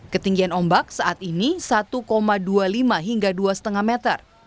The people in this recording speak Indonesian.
ketinggian ombak saat ini satu dua puluh lima hingga dua lima meter